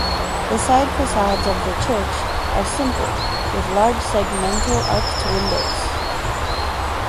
The side facades of the church are simple with large segmental arched windows.